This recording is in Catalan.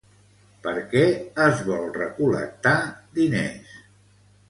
Per què es vol recol·lectar diners?